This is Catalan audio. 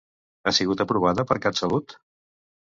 Ha sigut aprovada per CatSalut?